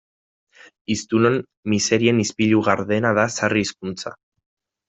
Hiztunon miserien ispilu gardena da sarri hizkuntza.